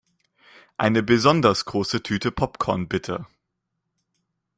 Eine besonders große Tüte Popcorn, bitte!